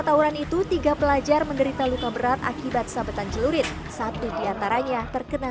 tawuran itu tiga pelajar menderita luka berat akibat sabetan celurit satu diantaranya terkena